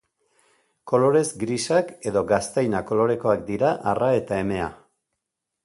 Kolorez grisak edo gaztaina kolorekoak dira arra eta emea.